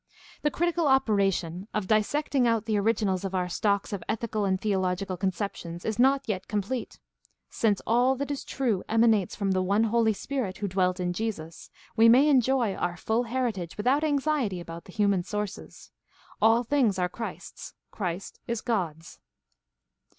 The critical operation of dissecting out the originals of our stocks of ethical and theological conceptions is not yet complete. Since all that is true emanates from the one Holy Spirit who dwelt in Jesus, we may enjoy our full heritage without anxiety about the human sources. "All things are Christ's; Christ is God's."